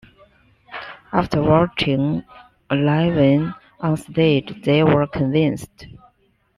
After watching Levine onstage, they were convinced.